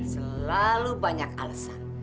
selalu banyak alasan